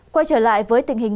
quay trở lại với tình hình